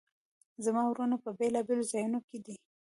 زما وروڼه په بیلابیلو ځایونو کې دي